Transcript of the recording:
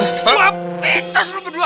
gua petes lu berdua